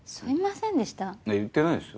言ってないですよ。